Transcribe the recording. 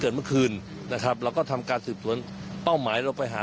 เมื่อคืนนะครับเราก็ทำการสืบสวนเป้าหมายเราไปหา